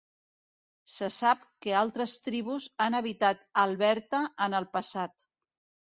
Se sap que altres tribus han habitat Alberta en el passat.